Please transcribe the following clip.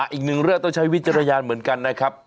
อีกหนึ่งเรื่องต้องใช้วิจารณญาณเหมือนกันนะครับ